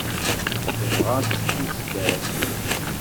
Tebɣa ad tesfusker.